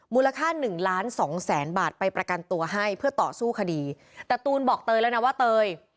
มูลค่าหนึ่งล้านสองแสนบาทไปประกันตัวให้เพื่อต่อสู้คดีแต่ตูนบอกเตยแล้วนะว่าเตย